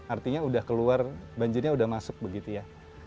artinya udah keluar banjirnya udah masuk begitu ya